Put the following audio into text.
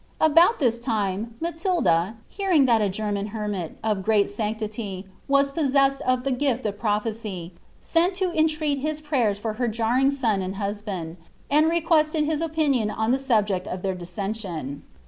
About this time, Matilda, hearing thai a German hermit, of great sanc tity, was possessed of the gift of prophecy, sent lo entreat his prayen for her jarring son and husband, and requested his opinion on the subject of their dissension.'